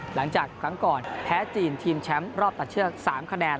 หลังจากครั้งก่อนแพ้จีนทีมแชมป์รอบตัดเชือก๓คะแนน